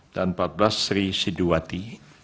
dan empat belas sri sidiwati